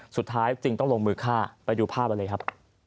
สุดท้ายจึงต้องลงมือฆ่าไปดูภาพกันเลยครับ